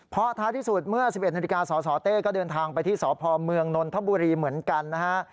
เพราะท้ายที่สุดเมื่อ๑๑นาฬิกาสสเต้ก็เดินทางไปที่สพเมืองนนทบุรีเหมือนกันนะฮะ